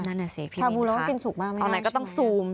นั่นแหละสิพรินนะคะเอาไหนก็สูมให้เข็ง